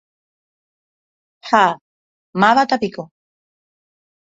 Ha mávatapiko.